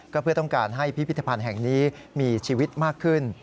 ก็เพื่อต้องการให้พิพิธภัณฑ์แห่งนี้มีชีวิตมากขึ้น